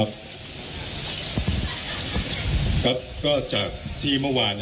คุณผู้ชมไปฟังผู้ว่ารัฐกาลจังหวัดเชียงรายแถลงตอนนี้ค่ะ